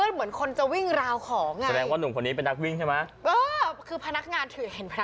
พี่ออภดูตอนจังหวะมีตอนหันมองเนื้อนี้